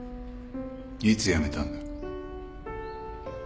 いつやめたんだ？